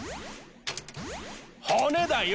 骨だよ！